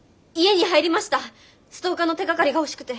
ストーカーの手がかりが欲しくて。